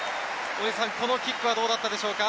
このキックはどうでしたか？